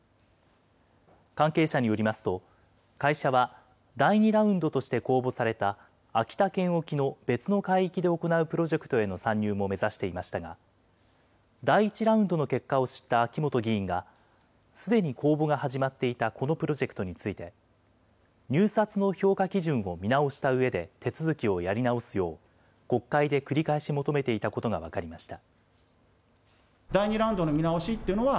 関係者によりますと、会社は第２ラウンドとして公募された、秋田県沖の別の海域で行うプロジェクトへの参入も目指していましたが、第１ラウンドの結果を知った秋本議員が、すでに公募が始まっていたこのプロジェクトについて、入札の評価基準を見直したうえで、手続きをやり直すよう、国会で繰り返し求めていたことが分かりました。